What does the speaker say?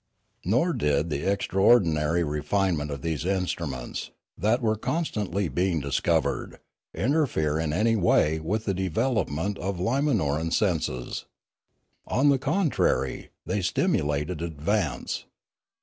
Nor did the extraordinary refinement of these instru ments, that were constantly being discovered, interfere in any way with the development of Limanoran senses. On the contrary they stimulated advance.